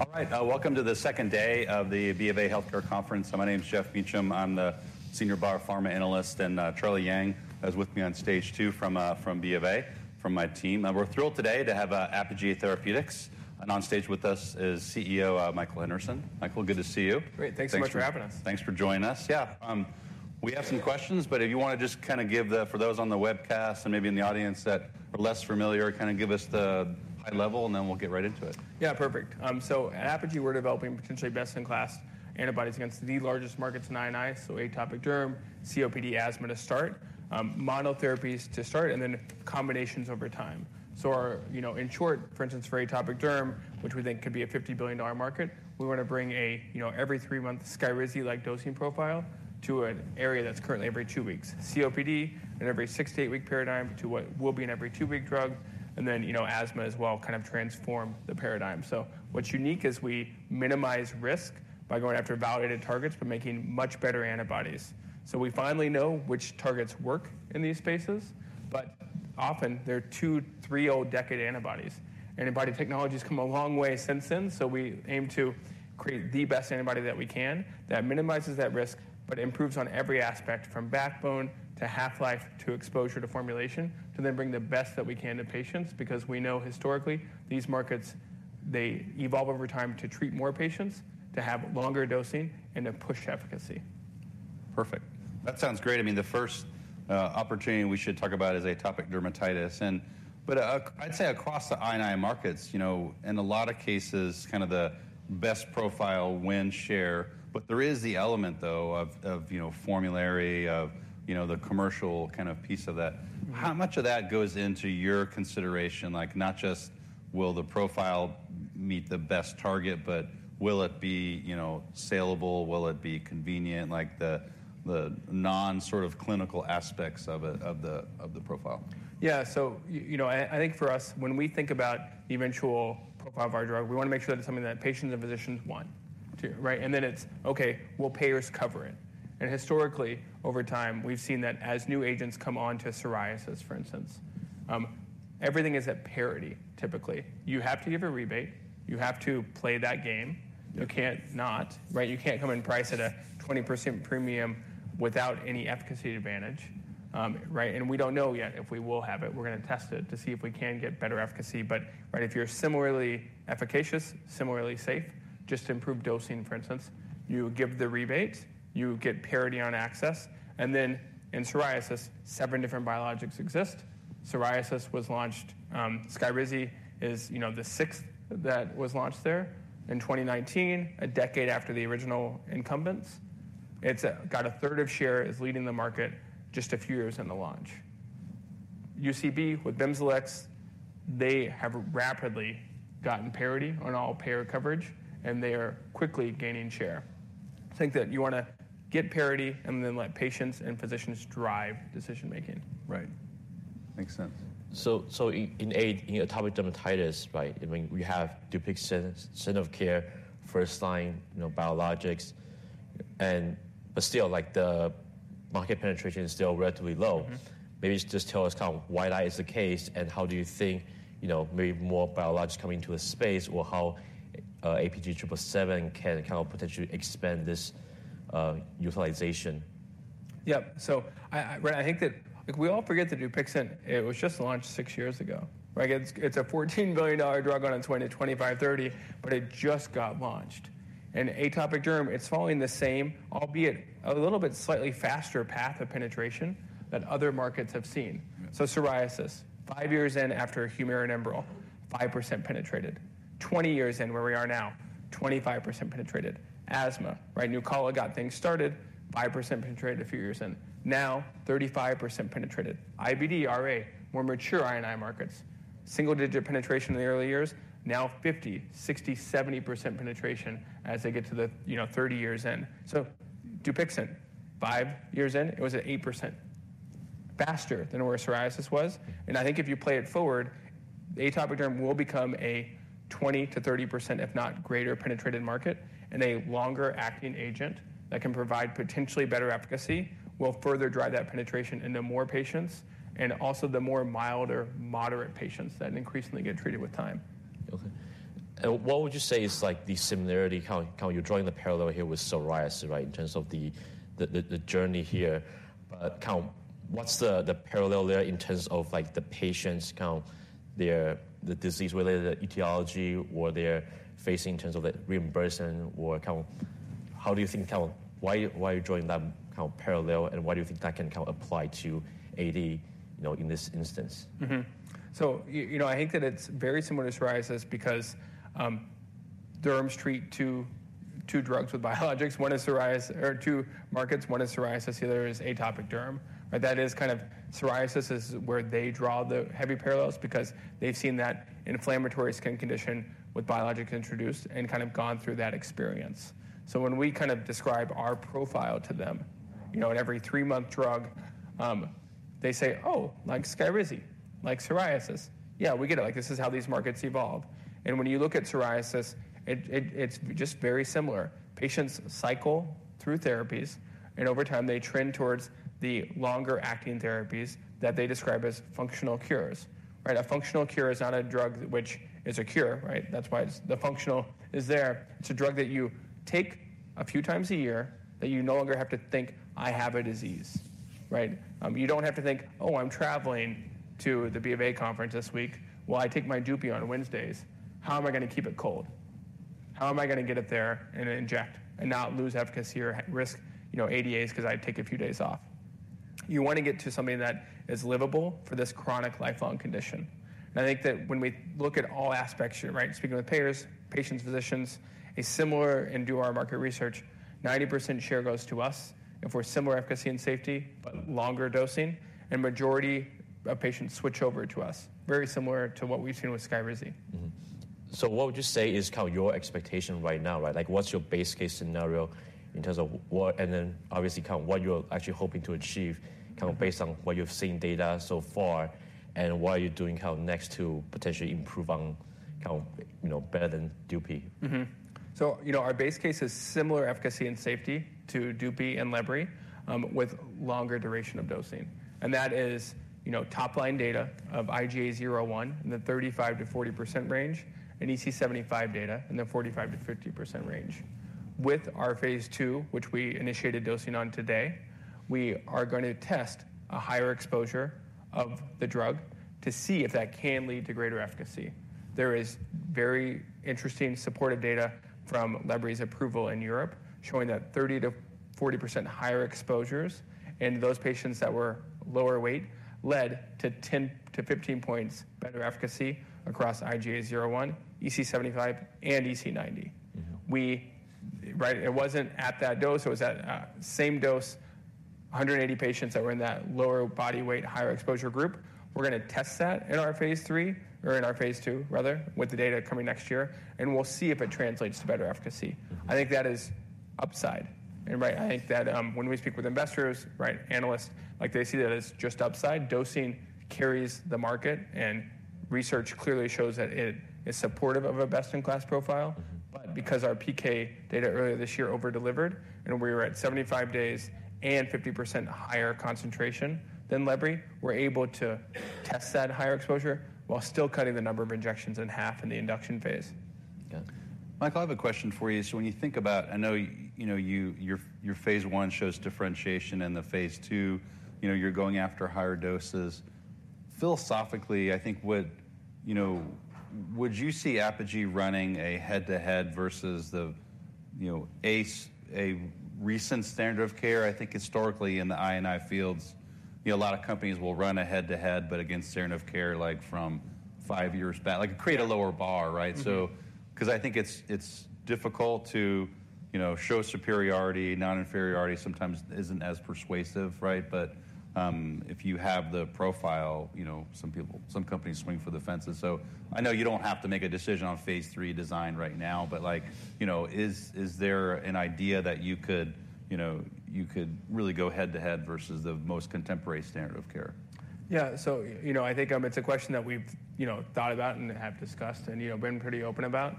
All right, welcome to the second day of the BofA Healthcare Conference. My name's Geoff Meacham. I'm the Senior Biopharma Analyst, and Charlie Yang is with me on stage too from BofA, from my team. We're thrilled today to have Apogee Therapeutics on stage with us, CEO Michael Henderson. Michael, good to see you. Great. Thanks so much for having us. Thanks for joining us. Yeah, we have some questions, but if you want to just kind of give the for those on the webcast and maybe in the audience that are less familiar, kind of give us the high level, and then we'll get right into it. Yeah, perfect. So at Apogee, we're developing potentially best-in-class antibodies against the largest markets in I&I, so atopic derm, COPD, asthma to start, monotherapies to start, and then combinations over time. So in short, for instance, for atopic derm, which we think could be a $50 billion market, we want to bring an every-three-month Skyrizi-like dosing profile to an area that's currently every two weeks, COPD in an every-six- to eight-week paradigm to what will be an every-three-week drug, and then asthma as well kind of transform the paradigm. So what's unique is we minimize risk by going after validated targets but making much better antibodies. So we finally know which targets work in these spaces, but often they're two- or three-decade-old antibodies. Antibody technologies have come a long way since then, so we aim to create the best antibody that we can that minimizes that risk but improves on every aspect from backbone to half-life to exposure to formulation to then bring the best that we can to patients because we know historically these markets, they evolve over time to treat more patients, to have longer dosing, and to push efficacy. Perfect. That sounds great. I mean, the first opportunity we should talk about is atopic dermatitis. But I'd say across the I&I markets, in a lot of cases, kind of the best profile wins share. But there is the element, though, of formulary, of the commercial kind of piece of that. How much of that goes into your consideration, not just will the profile meet the best target, but will it be saleable? Will it be convenient, the non-sort of clinical aspects of the profile? Yeah, so I think for us, when we think about the eventual profile of our drug, we want to make sure that it's something that patients and physicians want, right? And then it's, OK, will payers cover it? And historically, over time, we've seen that as new agents come on to psoriasis, for instance, everything is at parity, typically. You have to give a rebate. You have to play that game. You can't not, right? You can't come in price at a 20% premium without any efficacy advantage, right? And we don't know yet if we will have it. We're going to test it to see if we can get better efficacy. But if you're similarly efficacious, similarly safe, just to improve dosing, for instance, you give the rebate. You get parity on access. And then in psoriasis, seven different biologics exist. Psoriasis was launched. Skyrizi is the sixth that was launched there in 2019, a decade after the original incumbents. It's got a third of share is leading the market just a few years in the launch. UCB with BIMZELX, they have rapidly gotten parity on all payer coverage, and they are quickly gaining share. I think that you want to get parity and then let patients and physicians drive decision making. Right. Makes sense. So in atopic dermatitis, right, I mean, we have DUPIXENT as the standard of care for first-line biologics, but still, the market penetration is still relatively low. Maybe just tell us kind of why that is the case, and how do you think maybe more biologics coming into the space, or how APG777 can kind of potentially expand this utilization? Yep, so I think that we all forget that DUPIXENT, it was just launched six years ago, right? It's a $14 billion drug on its way to $25 billion, but it just got launched. And atopic derm, it's following the same, albeit a little bit slightly faster path of penetration that other markets have seen. So psoriasis, five years in after HUMIRA and ENBREL, 5% penetrated. 20 years in where we are now, 25% penetrated. Asthma, right? NUCALA got things started, 5% penetrated a few years in. Now, 35% penetrated. IBD, RA, more mature I&I markets. Single-digit penetration in the early years, now 50%, 60%, 70% penetration as they get to the 30 years in. So DUPIXENT, five years in, it was at 8% faster than where psoriasis was. And I think if you play it forward, atopic derm will become a 20%-30%, if not greater, penetrated market. A longer-acting agent that can provide potentially better efficacy will further drive that penetration into more patients and also the more mild or moderate patients that increasingly get treated with time. OK. What would you say is the similarity? You're drawing the parallel here with psoriasis, right, in terms of the journey here. But what's the parallel there in terms of the patients, their disease-related etiology, or they're facing in terms of reimbursement? Or how do you think why are you drawing that parallel, and why do you think that can apply to AD in this instance? So I think that it's very similar to psoriasis because derms treat two drugs with biologics. One is psoriasis or two markets, one is psoriasis. The other is atopic derm. That is kind of psoriasis is where they draw the heavy parallels because they've seen that inflammatory skin condition with biologics introduced and kind of gone through that experience. So when we kind of describe our profile to them in every-three-month drug, they say, oh, like Skyrizi, like psoriasis. Yeah, we get it. This is how these markets evolve. And when you look at psoriasis, it's just very similar. Patients cycle through therapies, and over time, they trend towards the longer-acting therapies that they describe as functional cures, right? A functional cure is not a drug which is a cure, right? That's why the functional is there. It's a drug that you take a few times a year that you no longer have to think, I have a disease, right? You don't have to think, oh, I'm traveling to the BofA Conference this week. Well, I take my DUPIXENT on Wednesdays. How am I going to keep it cold? How am I going to get up there and inject and not lose efficacy or risk ADAs because I take a few days off? You want to get to something that is livable for this chronic, lifelong condition. And I think that when we look at all aspects, speaking with payers, patients, physicians, a similar and do our market research, 90% share goes to us if we're similar efficacy and safety but longer dosing, and the majority of patients switch over to us, very similar to what we've seen with Skyrizi. So what would you say is your expectation right now, right? What's your base case scenario in terms of what and then obviously what you're actually hoping to achieve based on what you've seen data so far and what are you doing next to potentially improve on better than dupe? Our base case is similar efficacy and safety to DUPIXENT and lebrikizumab with longer duration of dosing. That is top-line data of IGA 0/1 in the 35%-40% range and EASI-75 data in the 45%-50% range. With our phase II, which we initiated dosing on today, we are going to test a higher exposure of the drug to see if that can lead to greater efficacy. There is very interesting supportive data from lebrikizumab's approval in Europe showing that 30%-40% higher exposures in those patients that were lower weight led to 10%-15% points better efficacy across IGA 0/1, EASI-75, and EASI-90. It wasn't at that dose. It was at same dose, 180 patients that were in that lower body weight, higher exposure group. We're going to test that in our phase III or in our phase II, rather, with the data coming next year. We'll see if it translates to better efficacy. I think that is upside. I think that when we speak with investors, analysts, they see that it's just upside. Dosing carries the market, and research clearly shows that it is supportive of a best-in-class profile. But because our PK data earlier this year overdelivered, and we were at 75 days and 50% higher concentration than lebri, we're able to test that higher exposure while still cutting the number of injections in half in the induction phase. Yeah. Michael, I have a question for you. So when you think about, I know your phase I shows differentiation, and the phase II, you're going after higher doses. Philosophically, I think, would you see Apogee running a head-to-head versus the recent standard of care? I think historically in the I&I fields, a lot of companies will run a head-to-head, but against standard of care from five years back, create a lower bar, right? Because I think it's difficult to show superiority. Non-inferiority sometimes isn't as persuasive, right? But if you have the profile, some companies swing for the fences. So I know you don't have to make a decision on phase III design right now, but is there an idea that you could really go head-to-head versus the most contemporary standard of care? Yeah, so I think it's a question that we've thought about and have discussed and been pretty open about.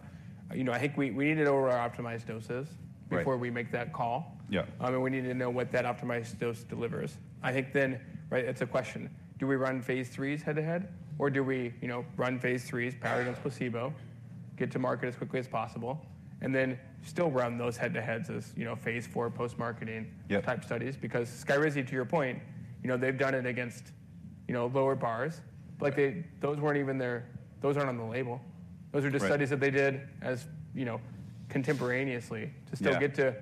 I think we need to go over our optimized doses before we make that call. We need to know what that optimized dose delivers. I think then it's a question. Do we run phase IIIs head-to-head, or do we run phase IIIs, power against placebo, get to market as quickly as possible, and then still run those head-to-heads as phase IV post-marketing type studies? Because Skyrizi, to your point, they've done it against lower bars. But those weren't even there, those aren't on the label. Those are just studies that they did contemporaneously to still get to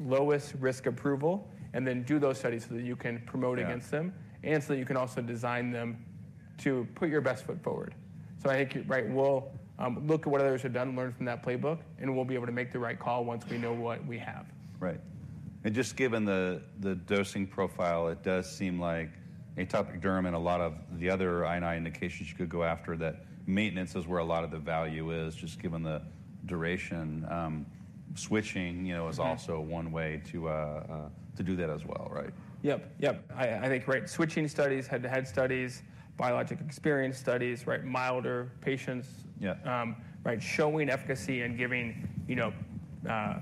lowest risk approval and then do those studies so that you can promote against them and so that you can also design them to put your best foot forward. I think we'll look at what others have done, learn from that playbook, and we'll be able to make the right call once we know what we have. Right. And just given the dosing profile, it does seem like atopic derm and a lot of the other I&I indications you could go after, that maintenance is where a lot of the value is, just given the duration. Switching is also one way to do that as well, right? Yep, yep. I think switching studies, head-to-head studies, biologic experience studies, milder patients, showing efficacy and giving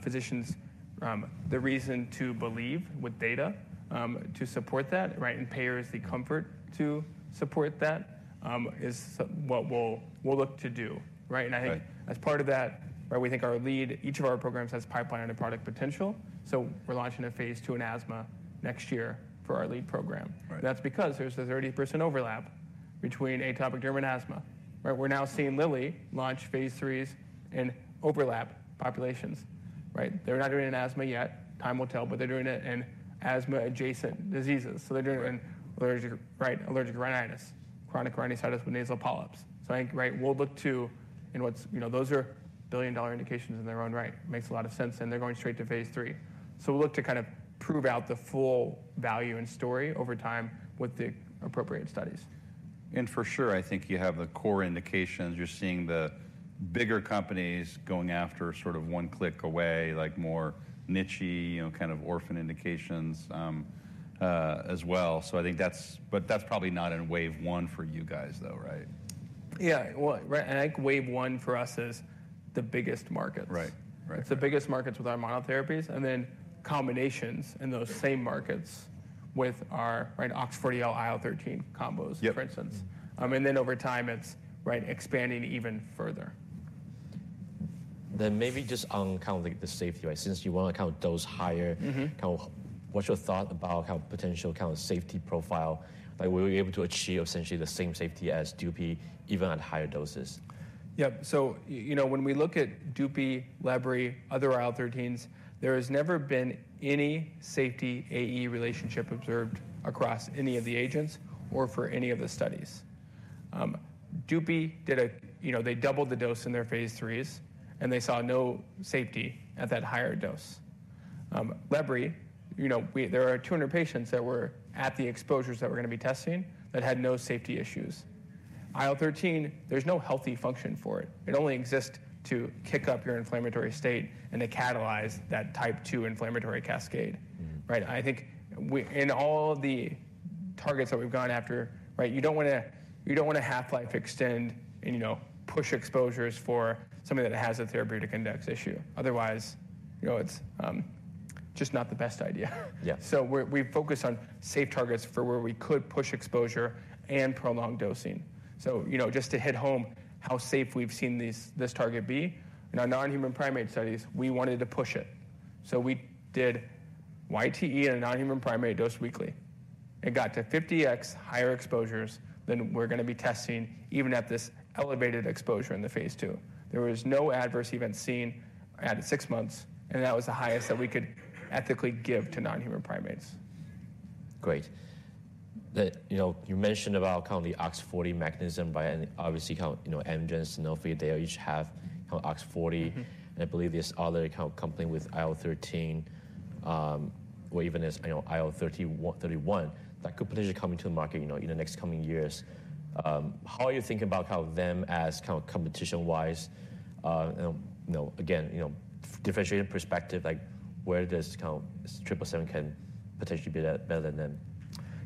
physicians the reason to believe with data to support that, and payers the comfort to support that is what we'll look to do, right? And I think as part of that, we think each of our programs has pipeline and product potential. So we're launching a phase II in asthma next year for our lead program. That's because there's a 30% overlap between atopic derm and asthma. We're now seeing Lilly launch phase IIIs in overlap populations. They're not doing it in asthma yet. Time will tell, but they're doing it in asthma-adjacent diseases. So they're doing it in allergic rhinitis, chronic rhinitis with nasal polyps. So I think we'll look to those are billion-dollar indications in their own right. Makes a lot of sense, and they're going straight to phase III. We'll look to kind of prove out the full value and story over time with the appropriate studies. For sure, I think you have the core indications. You're seeing the bigger companies going after sort of one click away, more niche kind of orphan indications as well. That's probably not in wave one for you guys, though, right? Yeah, and I think wave one for us is the biggest markets. It's the biggest markets with our monotherapies and then combinations in those same markets with our OX40L-IL-13 combos, for instance. And then over time, it's expanding even further. Maybe just on the safety side, since you want to dose higher, what's your thought about potential safety profile? Will we be able to achieve essentially the same safety as dupe even at higher doses? Yep. So when we look at DUPIXENT, lebrikizumab, other IL-13s, there has never been any safety AE relationship observed across any of the agents or for any of the studies. DUPIXENT did; they doubled the dose in their phase IIIs, and they saw no safety at that higher dose. Lebrikizumab, there are 200 patients that were at the exposures that we're going to be testing that had no safety issues. IL-13, there's no healthy function for it. It only exists to kick up your inflammatory state and to catalyze that type 2 inflammatory cascade, right? And I think in all the targets that we've gone after, you don't want to half-life extend and push exposures for something that has a therapeutic index issue. Otherwise, it's just not the best idea. So we've focused on safe targets for where we could push exposure and prolonged dosing. So just to hit home how safe we've seen this target be, in our non-human primate studies, we wanted to push it. So we did YTE in a non-human primate dose weekly. It got to 50x higher exposures than we're going to be testing even at this elevated exposure in the phase II. There was no adverse event seen at six months, and that was the highest that we could ethically give to non-human primates. Great. You mentioned about the OX40 mechanism by obviously Amgen, Sanofi. They each have OX40. And I believe there's other companies with IL-13 or even IL-31 that could potentially come into the market in the next coming years. How are you thinking about them as competition-wise? Again, differentiating perspective, where does 777 can potentially be better than them?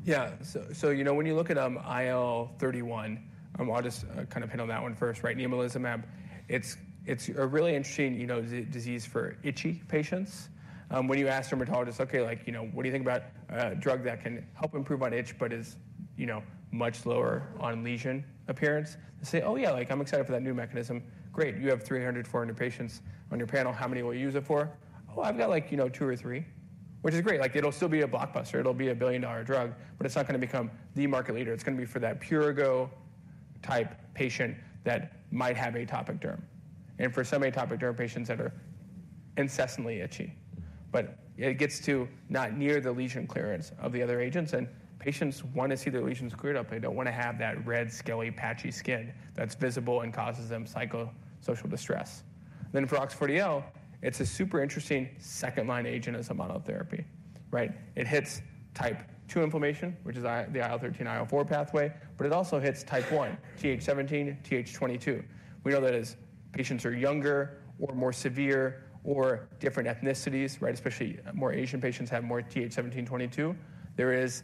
Yeah, so when you look at IL-31, I'll just kind of hit on that one first, nemolizumab. It's a really interesting disease for itchy patients. When you ask dermatologists, OK, what do you think about a drug that can help improve on itch but is much lower on lesion appearance? They say, oh, yeah, I'm excited for that new mechanism. Great. You have 300, 400 patients on your panel. How many will you use it for? Oh, I've got two or three, which is great. It'll still be a blockbuster. It'll be a billion-dollar drug. But it's not going to become the market leader. It's going to be for that prurigo type patient that might have atopic derm and for some atopic derm patients that are incessantly itchy. But it gets to not near the lesion clearance of the other agents, and patients want to see their lesions cleared up. They don't want to have that red, scaly, patchy skin that's visible and causes them psychosocial distress. Then for OX40L, it's a super interesting second-line agent as a monotherapy. It hits type 2 inflammation, which is the IL-13-IL-4 pathway. But it also hits type 1, TH17, TH22. We know that as patients are younger or more severe or different ethnicities, especially more Asian patients have more TH17, TH22, there is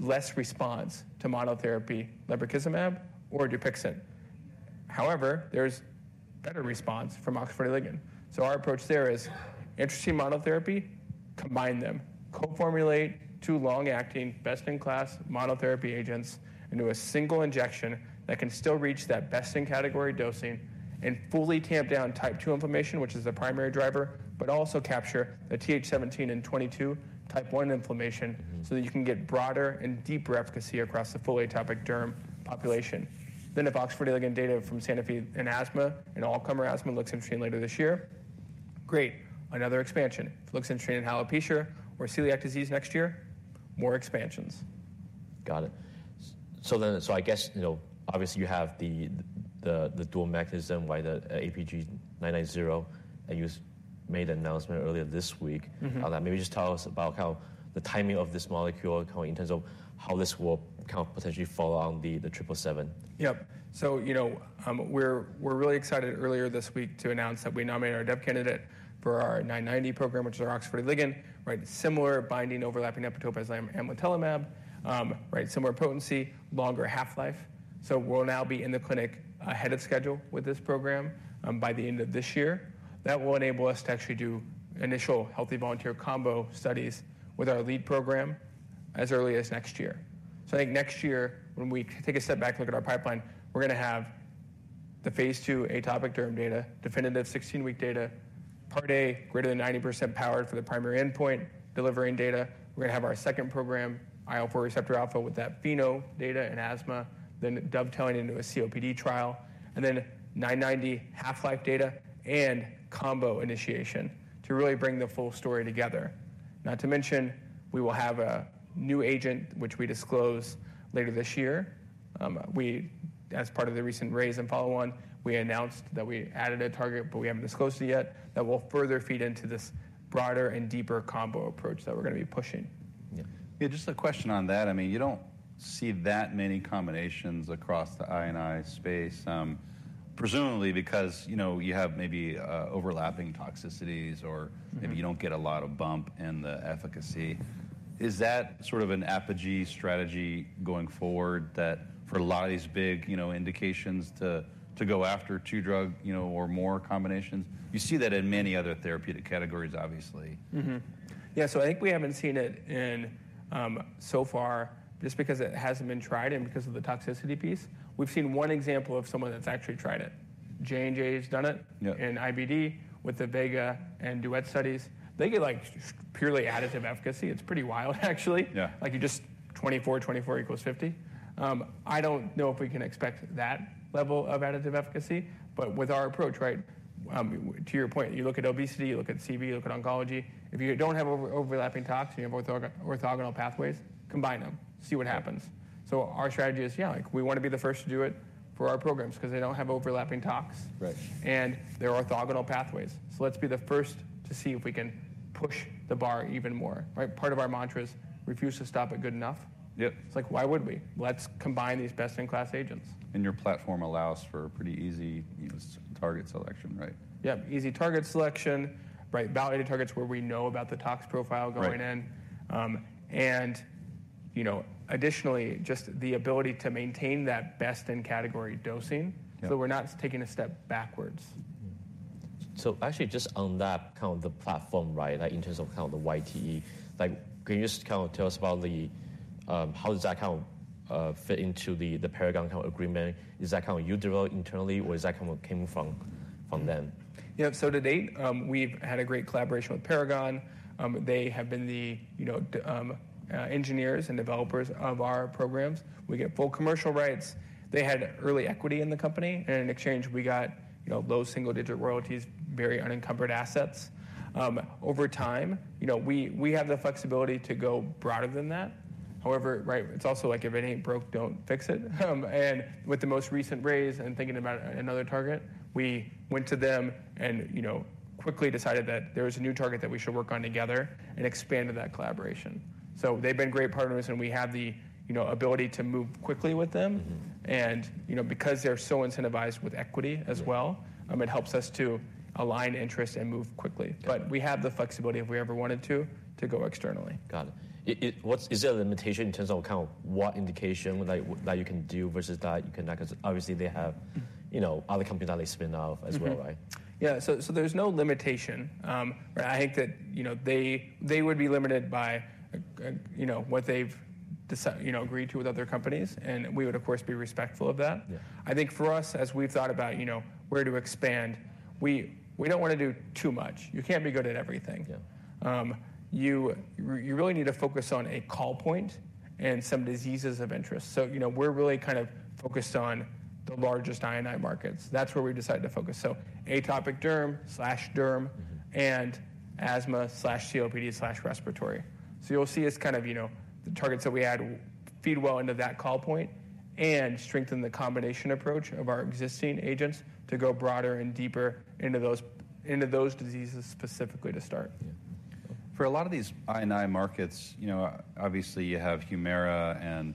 less response to monotherapy lebrikizumab or DUPIXENT. However, there's better response from OX40 ligand. So our approach there is interesting monotherapy, combine them, co-formulate two long-acting, best-in-class monotherapy agents into a single injection that can still reach that best-in-category dosing and fully tamp down type 2 inflammation, which is the primary driver, but also capture the TH17 and TH22 type 1 inflammation so that you can get broader and deeper efficacy across the full atopic derm population. Then if OX40 ligand data from Sanofi in asthma and all-comer asthma looks interesting later this year, great. Another expansion. If it looks interesting in alopecia or celiac disease next year, more expansions. Got it. So I guess obviously, you have the dual mechanism, why the APG990. You made an announcement earlier this week on that. Maybe just tell us about the timing of this molecule in terms of how this will potentially follow on the 777. Yep. So we're really excited earlier this week to announce that we nominated our dev candidate for our 990 program, which is our OX40L ligand, similar binding, overlapping epitope, as amlitelimab, similar potency, longer half-life. So we'll now be in the clinic ahead of schedule with this program by the end of this year. That will enable us to actually do initial healthy volunteer combo studies with our lead program as early as next year. So I think next year, when we take a step back and look at our pipeline, we're going to have the phase II atopic derm data, definitive 16-week data, part A greater than 90% powered for the primary endpoint delivering data. We're going to have our second program, IL-4 receptor alpha, with that FeNO data in asthma, then dovetailing into a COPD trial, and then 990 half-life data and combo initiation to really bring the full story together. Not to mention, we will have a new agent, which we disclose later this year. As part of the recent raise and follow-on, we announced that we added a target, but we haven't disclosed it yet, that will further feed into this broader and deeper combo approach that we're going to be pushing. Yeah, just a question on that. I mean, you don't see that many combinations across the I&I space, presumably because you have maybe overlapping toxicities or maybe you don't get a lot of bump in the efficacy. Is that sort of an Apogee strategy going forward for a lot of these big indications to go after two drug or more combinations? You see that in many other therapeutic categories, obviously. Yeah, so I think we haven't seen it so far just because it hasn't been tried and because of the toxicity piece. We've seen one example of someone that's actually tried it. J&J's done it in IBD with the VEGA and DUET studies. They get purely additive efficacy. It's pretty wild, actually. You just 24, 24 equals 50. I don't know if we can expect that level of additive efficacy. But with our approach, to your point, you look at obesity, you look at CV, you look at oncology. If you don't have overlapping tox and you have orthogonal pathways, combine them. See what happens. So our strategy is, yeah, we want to be the first to do it for our programs because they don't have overlapping tox and they're orthogonal pathways. So let's be the first to see if we can push the bar even more. Part of our mantra is refuse to stop at good enough. It's like, why would we? Let's combine these best-in-class agents. Your platform allows for pretty easy target selection, right? Yep, easy target selection, validated targets where we know about the tox profile going in. And additionally, just the ability to maintain that best-in-category dosing so that we're not taking a step backwards. So actually, just on that, the platform in terms of the YTE, can you just tell us about how does that fit into the Paragon agreement? Is that you developed internally, or is that coming from them? Yep. So to date, we've had a great collaboration with Paragon. They have been the engineers and developers of our programs. We get full commercial rights. They had early equity in the company. And in exchange, we got low single-digit royalties, very unencumbered assets. Over time, we have the flexibility to go broader than that. However, it's also like, if anything broke, don't fix it. And with the most recent raise and thinking about another target, we went to them and quickly decided that there was a new target that we should work on together and expanded that collaboration. So they've been great partners, and we have the ability to move quickly with them. And because they're so incentivized with equity as well, it helps us to align interests and move quickly. But we have the flexibility, if we ever wanted to, to go externally. Got it. Is there a limitation in terms of what indication that you can do versus that you cannot? Because obviously, they have other companies that they spin off as well, right? Yeah, so there's no limitation. I think that they would be limited by what they've agreed to with other companies. And we would, of course, be respectful of that. I think for us, as we've thought about where to expand, we don't want to do too much. You can't be good at everything. You really need to focus on a call point and some diseases of interest. So we're really kind of focused on the largest I&I markets. That's where we decided to focus, so atopic derm/derm and asthma/COPD/respiratory. So you'll see as kind of the targets that we had feed well into that call point and strengthen the combination approach of our existing agents to go broader and deeper into those diseases specifically to start. For a lot of these I&I markets, obviously, you have HUMIRA and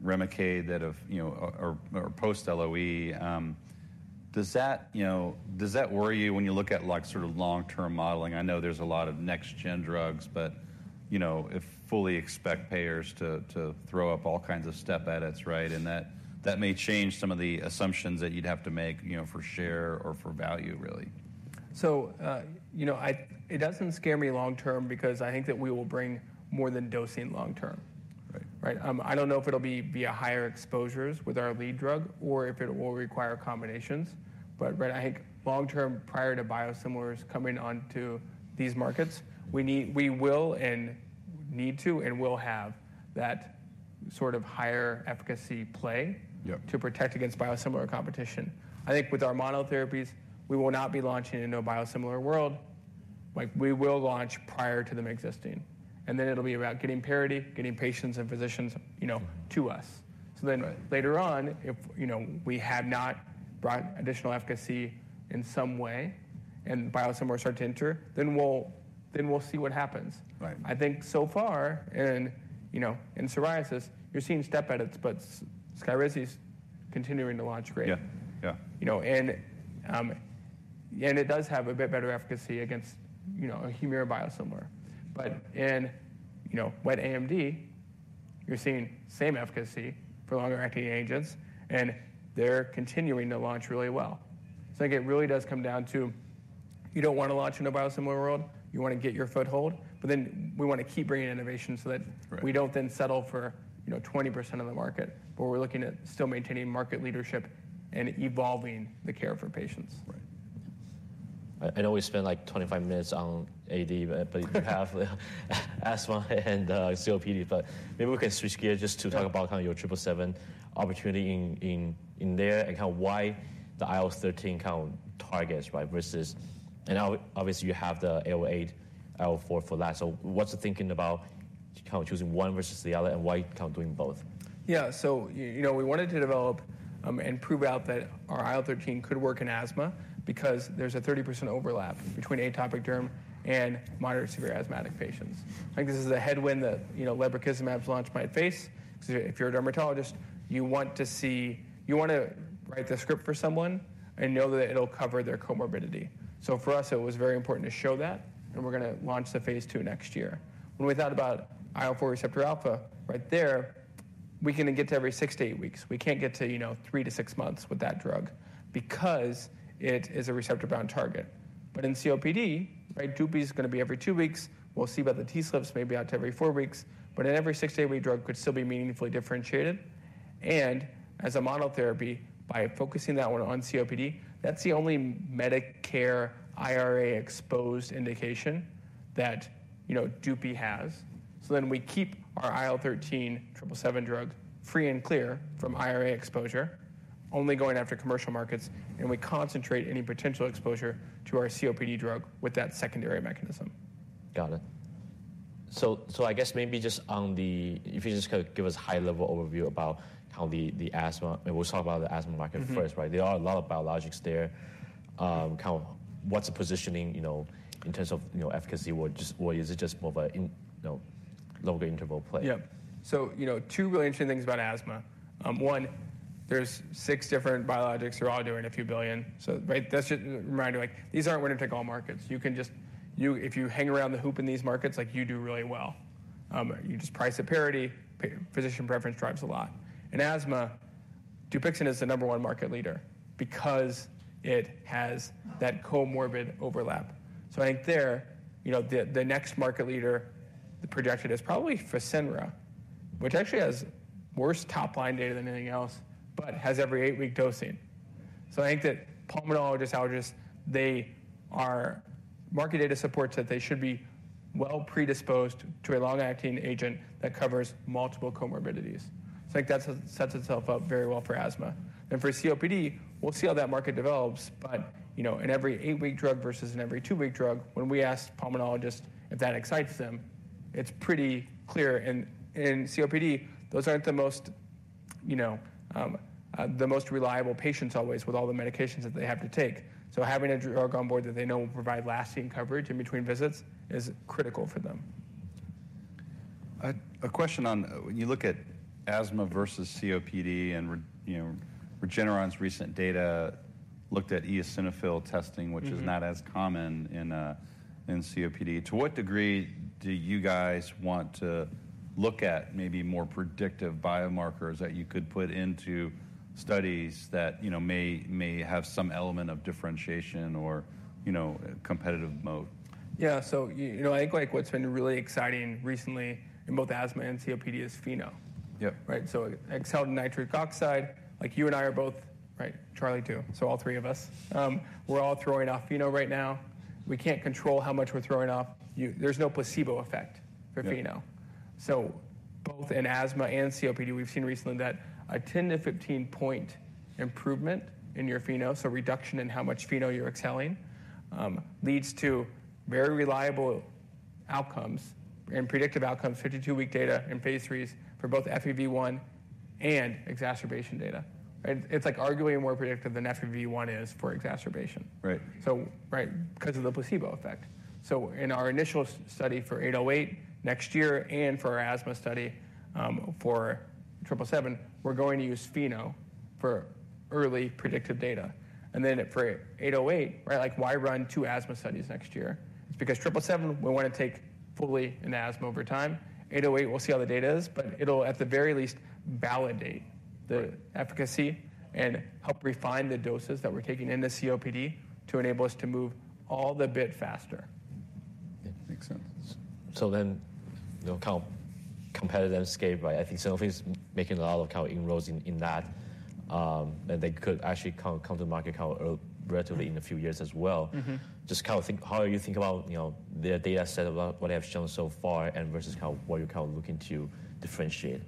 REMICADE that are post-LOE. Does that worry you when you look at sort of long-term modeling? I know there's a lot of next-gen drugs. But I fully expect payers to throw up all kinds of step edits, right, and that may change some of the assumptions that you'd have to make for share or for value, really. So it doesn't scare me long-term because I think that we will bring more than dosing long-term. I don't know if it'll be via higher exposures with our lead drug or if it will require combinations. But I think long-term, prior to biosimilars coming onto these markets, we will and need to and will have that sort of higher efficacy play to protect against biosimilar competition. I think with our monotherapies, we will not be launching in a biosimilar world. We will launch prior to them existing. And then it'll be about getting parity, getting patients and physicians to us. So then later on, if we have not brought additional efficacy in some way and biosimilars start to enter, then we'll see what happens. I think so far in psoriasis, you're seeing step edits, but Skyrizi's continuing to launch great. It does have a bit better efficacy against a HUMIRA biosimilar. But in wet AMD, you're seeing same efficacy for longer-acting agents. They're continuing to launch really well. I think it really does come down to you don't want to launch in a biosimilar world. You want to get your foothold. Then we want to keep bringing innovation so that we don't then settle for 20% of the market. We're looking at still maintaining market leadership and evolving the care for patients. I know we spent like 25 minutes on AD, but you have asthma and COPD. But maybe we can switch gears just to talk about your 777 opportunity in there and why the IL-13 targets versus, and obviously, you have the 808, IL-4 for that. So what's the thinking about choosing one versus the other and why doing both? Yeah, so we wanted to develop and prove out that our IL-13 could work in asthma because there's a 30% overlap between atopic derm and moderate to severe asthmatic patients. I think this is a headwind that lebrikizumab's launch might face because if you're a dermatologist, you want to write the script for someone and know that it'll cover their comorbidity. So for us, it was very important to show that. And we're going to launch the phase II next year. When we thought about IL-4 receptor alpha right there, we can get to every six to eight weeks. We can't get to three to six months with that drug because it is a receptor-bound target. But in COPD, dupi is going to be every two weeks. We'll see about the TSLP. Maybe out to every four weeks. But an every six to eight week drug could still be meaningfully differentiated. As a monotherapy, by focusing that one on COPD, that's the only Medicare IRA-exposed indication that dupi has. Then we keep our IL-13 777 drug free and clear from IRA exposure, only going after commercial markets. We concentrate any potential exposure to our COPD drug with that secondary mechanism. Got it. So I guess maybe just on the if you just could give us a high-level overview about the asthma and we'll talk about the asthma market first. There are a lot of biologics there. What's the positioning in terms of efficacy? Or is it just more of a longer-interval play? Yep. So two really interesting things about asthma. One, there's six different biologics that are all doing a few billion. So that's just a reminder. These aren't winner-take-all markets. If you hang around the hoop in these markets, you do really well. You just price it parity. Physician preference drives a lot. In asthma, DUPIXENT is the number one market leader because it has that comorbid overlap. So I think there, the next market leader projected is probably FASENRA, which actually has worse top-line data than anything else but has every eight-week dosing. So I think that pulmonologists, allergists, market data supports that they should be well predisposed to a long-acting agent that covers multiple comorbidities. So I think that sets itself up very well for asthma. And for COPD, we'll see how that market develops. But an every eight-week drug versus an every two-week drug, when we ask pulmonologists if that excites them, it's pretty clear. And in COPD, those aren't the most reliable patients always with all the medications that they have to take. So having a drug on board that they know will provide lasting coverage in between visits is critical for them. A question on when you look at asthma versus COPD and Regeneron's recent data looked at eosinophil testing, which is not as common in COPD, to what degree do you guys want to look at maybe more predictive biomarkers that you could put into studies that may have some element of differentiation or competitive moat? Yeah, so I think what's been really exciting recently in both asthma and COPD is FeNO. So FeNO, you and I are both, Charlie, too, so all three of us, we're all throwing off FeNO right now. We can't control how much we're throwing off. There's no placebo effect for FeNO. So both in asthma and COPD, we've seen recently that a 10-15-point improvement in your FeNO, so reduction in how much FeNO you're exhaling, leads to very reliable outcomes and predictive outcomes, 52-week data in phase IIIs for both FEV1 and exacerbation data. It's like arguably more predictive than FEV1 is for exacerbation because of the placebo effect. So in our initial study for 808 next year and for our asthma study for 777, we're going to use FeNO for early predictive data. And then for 808, why run two asthma studies next year? It's because 777, we want to take fully in asthma over time. 808, we'll see how the data is. But it'll, at the very least, validate the efficacy and help refine the doses that we're taking into COPD to enable us to move a little bit faster. Yeah, makes sense. So then competitive escape, I think Sanofi is making a lot of inroads in that. They could actually come to market relatively in a few years as well. Just how do you think about their data set about what they have shown so far and versus what you're looking to differentiate?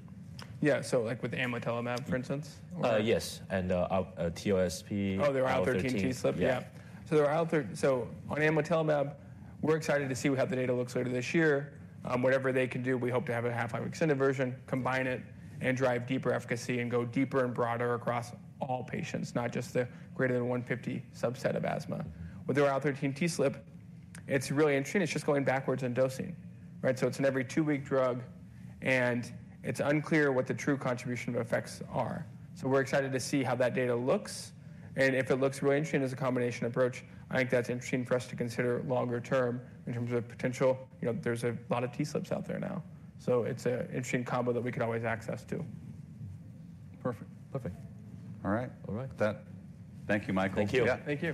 Yeah, so with amlitelimab, for instance? Yes, and TSLP. Oh, their IL-13 TSLP, yeah. So on amlitelimab, we're excited to see how the data looks later this year. Whatever they can do, we hope to have a half-life extended version, combine it, and drive deeper efficacy and go deeper and broader across all patients, not just the greater than 150 subset of asthma. With their IL-13 TSLP, it's really interesting. It's just going backwards in dosing. So it's an every two-week drug and it's unclear what the true contribution of effects are. So we're excited to see how that data looks. And if it looks really interesting as a combination approach, I think that's interesting for us to consider longer-term in terms of potential. There's a lot of TSLPs out there now. So it's an interesting combo that we could always access to. Perfect. All right. Thank you, Michael. Perfect. All right. Thank you. Thank you.